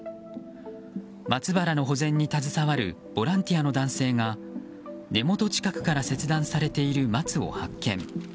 松原の保全に携わるボランティアの男性が根本近くから切断されている松を発見。